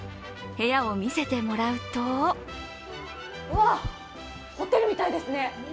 部屋を見せてもらうとうわぁ、ホテルみたいですね。